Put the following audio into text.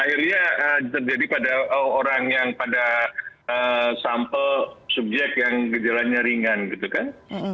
akhirnya terjadi pada orang yang pada sampel subjek yang gejalanya ringan gitu kan